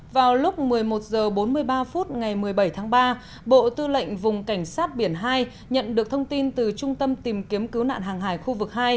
vào lúc một mươi một h bốn mươi ba phút ngày một mươi bảy tháng ba bộ tư lệnh vùng cảnh sát biển hai nhận được thông tin từ trung tâm tìm kiếm cứu nạn hàng hải khu vực hai